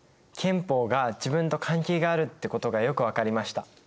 憲法が自分と関係があるってことがよく分かりました。